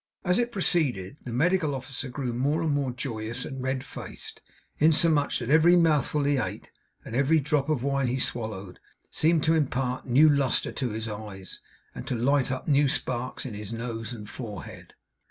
As it proceeded, the Medical Officer grew more and more joyous and red faced, insomuch that every mouthful he ate, and every drop of wine he swallowed, seemed to impart new lustre to his eyes, and to light up new sparks in his nose and forehead.